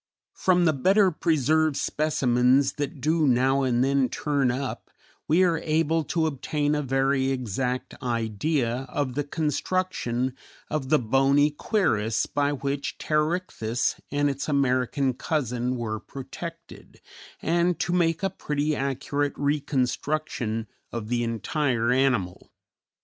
From the better preserved specimens that do now and then turn up, we are able to obtain a very exact idea of the construction of the bony cuirass by which Pterichthys and its American cousin were protected, and to make a pretty accurate reconstruction of the entire animal.